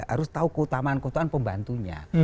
harus tahu keutamaan keutamaan pembantunya